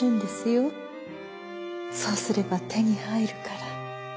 そうすればてにはいるから。